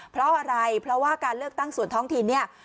เพราะอะไรเพราะว่าการเลือกตั้งส่วนท้องถิ่นเนี่ย